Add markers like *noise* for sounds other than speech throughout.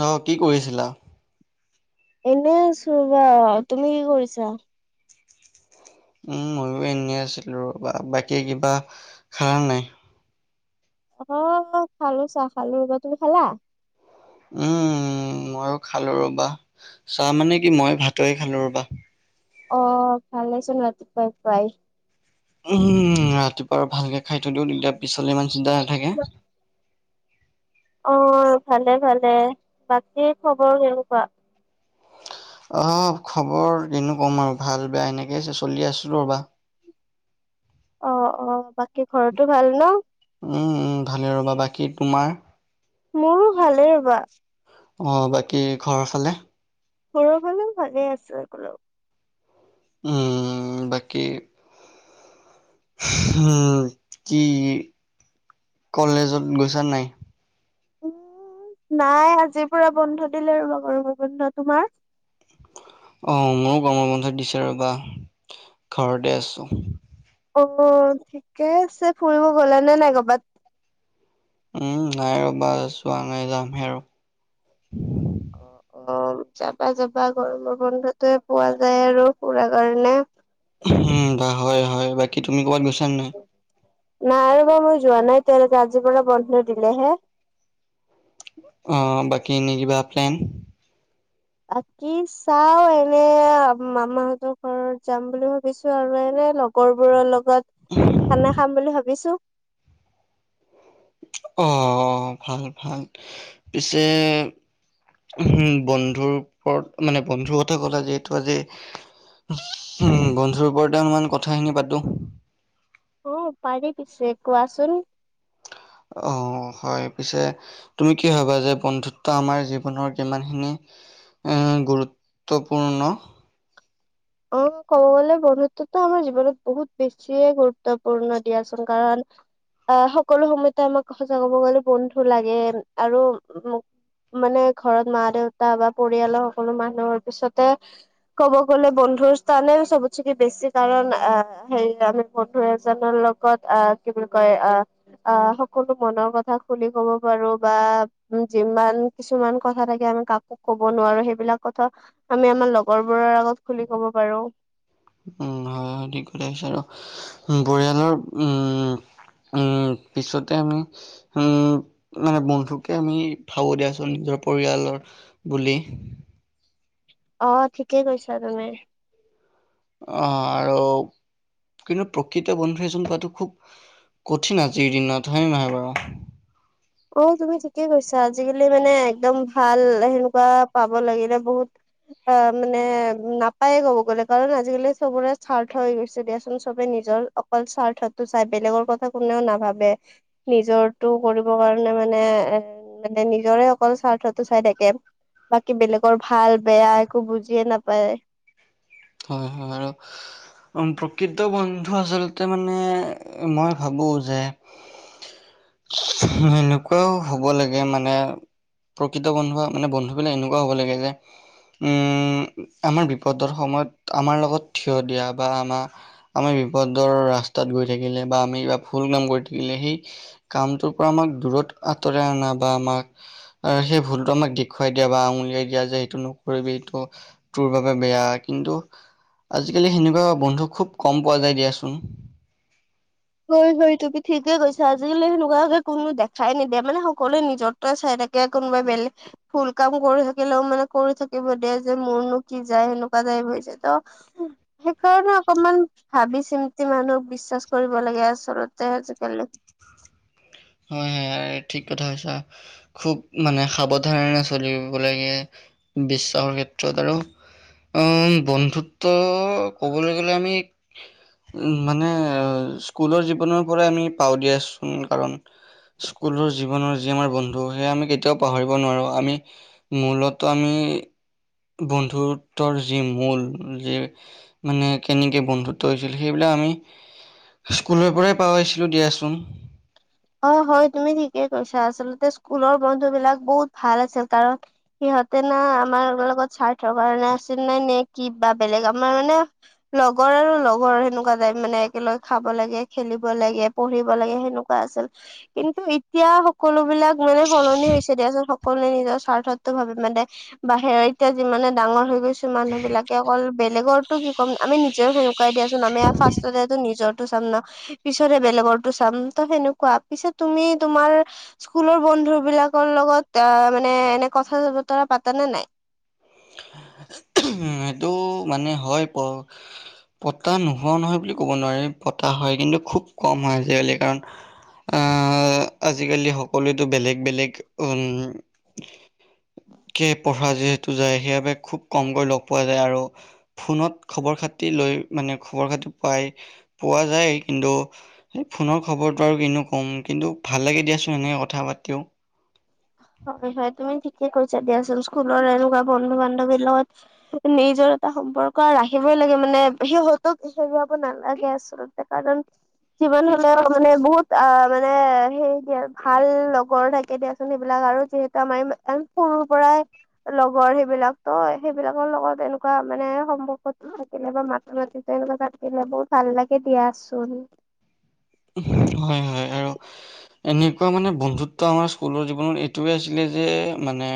নহ কি কৰিছিলা? এনে আছো বা তুমি কি কৰিছা? উম ময়ো এনেই আছিলো ৰবা বাকী কিবা খালা নাই? অ খালো চাহ খালো ৰবা তুমি খালা? উম মইয়ো খালো ৰবা চাহ মানে কি মই ভাতকে খালো ৰবা। অ ভালে চোন ৰাতিপোৱাই পোৱাই। উমম ৰাতিপুৱা আৰু ভালকে খাই থৈ দিও তেতিয়া পিছাল ইমান চিন্তা নাথাকে। অ ভালে ভালে বাকী খবৰ কেনেকুৱা? অ খবৰ কিনো ক'ম আৰু ভাল বেয়া এনেকে চলি আছিলো ৰবা। অ অ বাকী ঘৰতো ভাল ন। উম উম ভালে ৰ'বা বাকী তোমাৰ। মোৰো ভালে বা। অহ, বাকী ঘৰ ফালে ঘৰৰ ফালেও ভালে আছে সকলো। উম বাকী, উম কি কলেজত গৈছা নাই। উম নাই আজিৰ পৰা বন্ধ দিলে আৰু গৰমৰ বন্ধ তোমাৰ। অহ, আমাৰো‌ গৰমৰ বন্ধ দিছে ৰবা, ঘৰতে আছোঁ। অহ, ঠিকে আছে। ফুৰিব গলা নে নাই কবাত? উম, নাই ৰবা যোৱা নাই। যামহে আৰু অহ যাবা যাবা গৰমৰ বন্ধতোৱে পোৱা যায় আৰু ফুৰা কাৰণে। উম বা হয় হয়। বাকী তুমি কৰবাত গইছা নাই? নাই ৰবা মই যোৱা নাই। তেওঁলোকে আজিৰ পৰা বন্ধ দিলেহে অহ বাকী এনে কিবা প্লেন? আজি চাওঁ এনে, মামাহঁতৰ ঘৰত যাম বুলি ভাবিছোঁ আৰু এনে লগ কৰবাৰ লগত খানা খাম বুলি ভাবিছোঁ। অহ, ভাল ভাল পিছে উম বন্ধুৰ ওপৰত মানে বন্ধুৰ কথা কলে যিহেতু আজি উম বন্ধুৰ ওপৰতে অলপমান কথাখিনি পাতোঁ। অহ পাৰি পিছে কোৱাচোন? অহ হয় পিছে তুমি কি ভাবা যে বন্ধুত্ব আমাৰ জীৱনৰ কিমান খিনি গুৰুত্বপূৰ্ণ অহ, কব গলে বন্ধুত্বতো আমাৰ জীৱনত বহুত বেছিয়ে গুৰুত্বপূৰ্ণ দিয়াচোন কাৰণ আহ সকলো সময়তে আমাক সচা কব গলে বন্ধু লাগে আৰু মানে ঘৰত মা, দেউতা বা পৰিয়ালৰ সকলো মানুহৰ পিছতে কব গলে বন্ধুৰ স্থানে চবতকে বেছি। কাৰণ, আহ হেৰি আমি বন্ধু এজনৰ লগত আহ কি বুলি কয় আহ আহ, সকলো মনৰ কথা খুলি কব পাৰো বা যিমান কিছুমান কথা থাকে আমি কাকো কব নোৱাৰো। সেইবিলাক কথা আমি আমাৰ লগৰবোৰৰ আগত খুলি কব পাৰোঁ। উম হয় হয় ঠিক কথা কৈছা আৰু আৰু পৰিয়ালৰ উম উম, পিছতে আমি উম মানে বন্ধুকে আমি ভাবো দিয়াচোন নিজৰ পৰিয়ালৰ বুলি অহ, ঠিকে কৈছা তুমি অহ আৰু কিন্তু প্ৰকৃত বন্ধু এজন পোৱাটো খুব কঠিন আজিৰ দিনত হয়নে নহয় বাৰু অহ তুমি ঠিকেই কৈছা, আজিকালি মানে একদম ভাল সেনেকুৱা পাব লাগিলে বহুত অ মানে নাপায়ে কব গলে কাৰণ আজিকালি চবৰে স্বাৰ্থ হৈ গৈছে দিয়াচোন চবে নিজৰ অকল স্বাৰ্থতো চাই বেলেগৰ কথা কোনেও নাভাবে নিজৰটো কাৰণে মানে এহ, মানে নিজৰে অকল স্বাৰ্থটো চাই থাকে। বাকী বেলেগৰ ভাল বেয়া একো বুজিয়ে নাপায়। হয় হয় আৰু উম প্ৰকৃত বন্ধু আচলতে মানে মই ভাবো যে সেনেকুৱাও হব লাগে মানে প্ৰকৃত বন্ধুৱা মানে বন্ধু বিলাক এনেকুৱা হব লাগে যে উম আমাৰ বিপদৰ সময়ত আমাৰ লগত থিয় দিয়া বা আমাৰ আমাৰ বিপদৰ ৰাস্তাত গৈ থাকিলে বা আমি কিবা ভুল কাম কৰি থাকিলে সেই কামটোৰ পৰা আমাক দূৰত আঁতৰাই অনা বা আমাক আৰু সেই ভুলতটো আমাক দেখুৱাই দিয়া বা আঙুলিয়াই দিয়া যে সেইটো নকৰিবি এইটো তোৰ বাবে বেয়া কিন্তু আজিকালি সেনেকুৱা বন্ধু খুব কম পোৱা যায়। দিয়াচোন। হয়, হয়। তুমি ঠিকে কৈছা আজিকালি সেনেকুৱাকে কোনো দেখাই নিদিয়া মানে সকলোৱে নিজৰ তই চাই থাকে কোনোবাই বেলেগ- ভুল কাম কৰি থাকিলেও মানে কৰি থাকিব দিয়ে যে মোৰনো কি যায় সেনেকোৱা টাইপ হৈ যায় ত সেইকাৰণে অকমান ভাবি চিন্তি মানুহক বিশ্বাস কৰিব- দিব লাগে আচলতে আজিকালি- হয় হয় ঠিক কথা কৈছা। খুব মানে সাৱধানে চলিব লাগে বিশ্বাসৰ ক্ষেত্ৰত আৰু- অ বন্ধুত্ব ক'বলৈ গ'লে আমি- মানে স্কুলৰ জীৱনৰ পৰাই আমি পাও দিয়াচোন কাৰণ- স্কুলৰ জীৱনৰ যি আমাৰ বন্ধু সেয়া আমি কেতিয়াও পাহৰিব নোৱাৰোঁ আমি- মূলতঃ আমি। বন্ধুত্বৰ যি মূল যি মানে কেনেকৈ বন্ধুত্ব হৈছিল সেইবিলাক আমি। স্কুলৰ পৰাই পাই আহিছিলো দিয়াচোন। হয়, হয় তুমি ঠিকেই কৈছা আচলতে স্কুলৰ বন্ধু বিলাক বহুত ভাল আছিল কাৰণ সিহঁতে না আমাৰ লগত স্বাৰ্থৰ কাৰণে আছিল নে নে কি বা বেলেগ আমাৰ মানে লগৰ আৰু লগৰ সেনেকোৱা টাইপ মানে একেলগে খাব লাগে খেলিব লাগে পঢ়িব লাগে সেনেকোৱা আছিল। কিন্তু এতিয়া সকলো বিলাক মানে সলনি হৈছে দিয়া চোন পাছত সকলোৱে নিজৰ স্বাৰ্থটো ভাবে মানে। বাহেৰে এতিয়া যিমানে ডাঙৰ হৈ গৈছো মানুহ বিলাকে অকল বেলেগৰতো কি ক'ম আমি নিজেও সে শুকাই দিয়াচোন আমি ফাষ্টতেতো নিজৰটো চাম ন পিছতে বেলেগৰতো চাম ত সেনেকোৱা পিছত তুমি তোমাৰ স্কুলৰ বন্ধু বিলাকৰ লগত এ মানে এনে কথা বতৰা পাতা নে নাই। উ মানে হয় প পতা নোহোৱা নহয় বুলি ক'ব নোৱাৰি পতা হয় কিন্তু খুব কম হয় আজিকালি কাৰণ আহ আজিকালি সকলোৱোতো বেলেগ বেলেগ উম কে পঢ়া যিহেতু যায় সেইবাবে খুব কমকৈ লগ পোৱা যায় আৰু ফোনত খবৰ খাতি লৈ মানে খবৰ খাতি পাই পোৱা যায় কিন্তু সেই ফোনৰ খবৰতো আৰু কিনো ক'ম কিন্তু ভাল লাগে দিয়াচোন এনেকৈ কথা পাতিও। হয়, হয় তুমি ঠিকে কৈছা দিয়াচোন স্কুলৰ এনেকোৱা বন্ধু বান্ধৱীৰ লগত নিজৰ এটা সম্পৰ্ক ৰাখিবই লাগে মানে সিহঁতক হেৰুৱাব নালাগে আচল তে কাৰণ যিমান হলেও মানে বহুত আ মানে সেই দিয়া ভাল লগৰ থাকে দিয়া চোন এইবিলাক আৰু যিহেতু আমাৰ সৰু পৰাই লগৰ সেইবিলাক তো সেইবিলাকৰ লগত এনেকোৱা মানে সম্পৰ্কতো থাকিলে বা মাত মাতি তেনেকোৱা থাকিলে বহুত ভাল লাগে দিয়াচোন। হয় হয় আৰু এনেকোৱা মানে বন্ধুত্ব আমাৰ স্কুলৰ জীৱনত এইটোৱে আছিলে যে মানে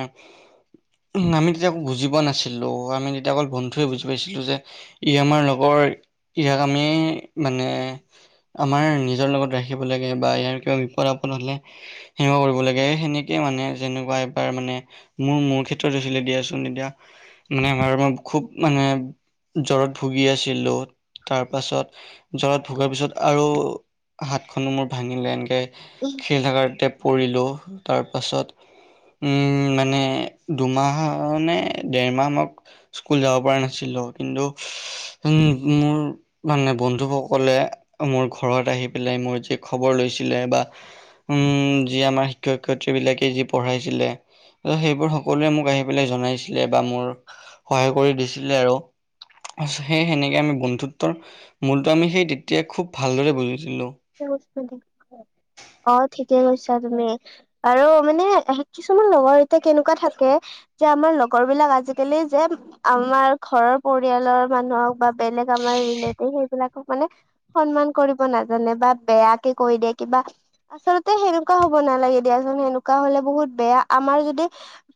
আমি তেতিয়া বুজি পোৱা নাছিলো আমি তেতিয়া অকল বন্ধুৱে বুজি পাইছিলো যে ই আমাৰ লগৰ ইয়াক আমি মানে আমাৰ নিজৰ লগত ৰাখিব লাগে বা ইয়াৰ কিবা বিপদ আপদ হলে সেনেকোৱা কৰিব লাগে এই সেনেকেই মানে যেনেকোৱা এবাৰ মানে মোৰ মোৰ ক্ষেত্ৰত হৈছিলে দিয়াচোন এতিয়া মানে আমাৰ খুব মানে জ্বৰত ভুগি আছিলো তাৰ পাছত জ্বৰত ভোগাৰ পিছত আৰু হাতখনো মোৰ ভাঙিলে এনেকে উম। খেল থাকাত এতিয়া পৰিলো তাৰপাছত উম, মানে দুমাহনে ডেৰমাহ মক স্কুল যাব পৰা নাছিলো কিন্তু উম মোৰ মানে বন্ধুসকলে মোৰ ঘৰত আহি পেলাই মোৰ যে খবৰ লৈছিলে বা উম, যি আমাৰ শিক্ষক- শিক্ষয়িত্ৰী বিলাকে যি পঢ়াইছিলে ত'সেইবোৰ সকলোৱে মোক আহি পেলাই জনাইছিলে বা মোৰ সহায় কৰি দিছিলে আৰু। সেই সেনেকে আমি বন্ধুত্বৰ মূলটো আমি সেই তেতিয়াই খুব ভালদৰে বুজিছিলো অ ঠিকে কৈছা তুমি আৰু মানে কিছুমান লগৰ এতিয়া কেনেকোৱা থাকে এতিয়া আমাৰ লগৰ বিলাক আজিকালি যে আমাৰ ঘৰৰ পৰিয়ালৰ মানুহক বা বেলেগ আমাৰ ৰিলেটিভ সেইবিলাকক মানে। সন্মান কৰিব নাজানে বা বেয়াকে কৈদে কিবা আচলতে সেনেকুৱা হ'ব নালাগে দিয়াচোন সেনেকুৱা হ'লে বহুত বেয়া আমাৰ যদি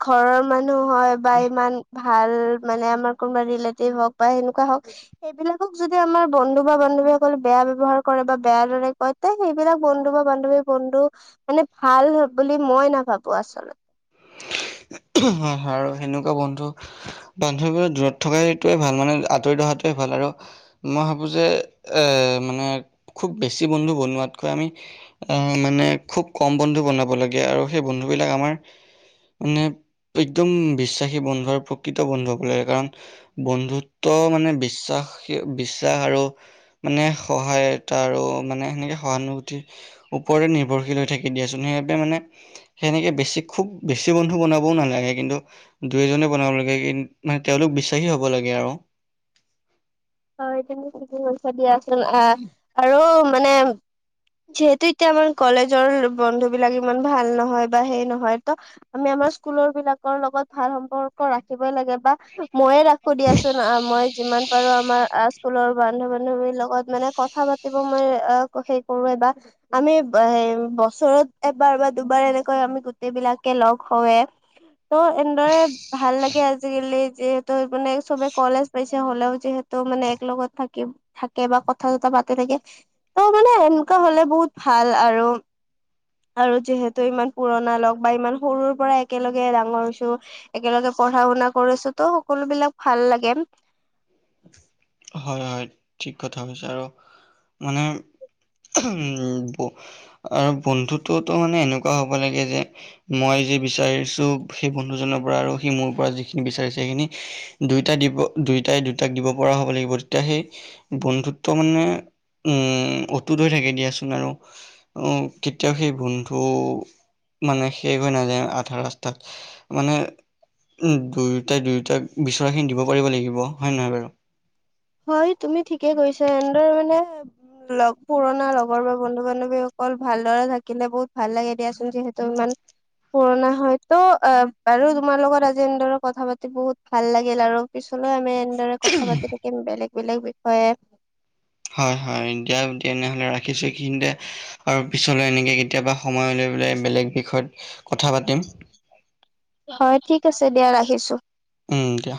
ঘৰৰ মানুহ হয় বা ইমান ভাল মানে আমাৰ কোনোবা ৰিলেটিভ হওক বা সেনেকুৱা হওক সেইবিলাকক যদি আমাৰ বন্ধু বা বান্ধৱীসকল বেয়া ব্যৱহাৰ কৰে বা বেয়া দৰে কয় তে সেইবিলাক বন্ধু বা বান্ধৱী বন্ধু মানে ভাল বুলি মই নাভাবো আচলত *unintelligible* হয় -হয় আৰু সেনেকুৱা বন্ধু *unintelligible* দূৰত থকা এইটোৱে ভাল মানে আঁতৰি থকাটোৱে ভাল আৰু মই ভাবোঁ যে এ মানে খুব বেছি বন্ধু বনোৱাতকৈ আমি আহ, মানে খুব কম বন্ধু বনাব লাগে আৰু সেই বন্ধু বিলাক আমাৰ মানে একদম বিশ্বাসী বন্ধু আৰু প্ৰকৃত বন্ধু হ'ব লাগে কাৰণ বন্ধুত্ব মানে বিশ্বাসী বিশ্বাস আৰু মানে সহায়তা আৰু মানে সেনেকে সহানুভূতি ওপৰে নিৰ্ভৰশীল হৈ থাকে দিয়াচোন সেইবাবে মানে সেনেকে বেছি খুব বেছি বন্ধু বনাবও নালাগ লাগে কিন্তু দুই, এজনেই বনাব লাগে কিন্ত মানে তেওঁলোক বিশ্বাসী হ'ব লাগে আৰু। হয় তুমি ঠিকে কৈছা দিয়াচোন আহ আৰু মানে যিহেতু এতিয়া আমাৰ কলেজৰ বন্ধু বিলাক ইমান ভাল নহয় বা সেই নহয় ত' আমি আমাৰ স্কুলৰ বিলাকৰ লগত ভাল সম্পৰ্ক ৰাখিব লাগে। বা ময়ে ৰাখো দিয়াচোন আ মই যিমান পাৰো আমাৰ আ, স্কুলৰ বান্ধু -বান্ধৱীৰ লগত মানে কথা পাতিব মই সেই কৰোৱে বা আমি বছৰত এবাৰ বা দুবাৰ এনেকৈ আমি গোটেই বিলাকে লগ হওঁৱে ত' এনেদৰে ভাল লাগে আজিকালি যিহেতু মানে চবে কলেজ পাইছে হ'লেও যিহেতু ত'মানে এক লগত থাকি থাকে বা কথা চথা পাতে থাকে ত' মানে এনকা হ'লে বহুত ভাল আৰু। আৰু যিহেতু ইমান পুৰণা লগ বা ইমান সৰুৰ পৰা একেলগে ডাঙৰ হৈছো একেলগে পঢ়া -শুনা কৰিছোঁ ত' সকলো বিলাক ভাল লাগে। হয় -হয় ঠিক কথা কৈছা আৰু মানে উম আৰু বন্ধুতটোতো মানে এনেকুৱা হ'ব লাগে যে মই যি বিচাৰিছো সেই বন্ধুজনৰ পৰা আৰু সি মোৰ পৰা যি যিখিনি বিচাৰি চে সেইখিনি দুইটাই দিব দুইটাই দুটাক দিব পৰা হ'ব লাগিব। তেতিয়া সেই বন্ধুত্ব মানে উম অতুত হৈ থাকে দিয়াচোন আৰু *unintelligible* কেতিয়াও সেই বন্ধু মানে শেষ হৈ নাযায় আধা ৰাস্তাত। মানে উম দুয়োটাই দুয়োটাক বিচৰা খিনি দিব পাৰিব লাগিব হয় নাই বাৰু? হয় তুমি ঠিকে কৈছা এনদৰে মানে লগ পুৰণা লগৰ বা বন্ধু বান্ধৱীসকল ভালদৰে থাকিলে বহুত ভাল লাগে দিয়াচোন যিহেতু ইমান পুৰণা হয় ত' অ, বাৰু তোমাৰ লগত আজি এনদৰে কথা-পাতি বহুত ভাল লাগিল আৰু। পিছলৈ আমি এনদৰে কথা পাতি থাকিম বেলেগ -বেলেগ বিষয়ে। হয় -হয় দিয়া তেনেহ'লে ৰাখিছোঁ এইখিনিতে। আৰু পিছলৈ এনেকে কেতিয়াবা সময় উলিয়াই পেলাই বেলেগ বিষয়ত কথা পাতিম। হয় ঠিক আছে দিয়া ৰাখিছোঁ। উম দিয়া